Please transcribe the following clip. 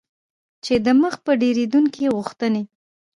چې د مخ په ډیریدونکي غوښتنې